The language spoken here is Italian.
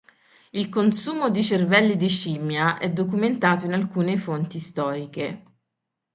Il consumo di cervelli di scimmia è documentato in alcune fonti storiche.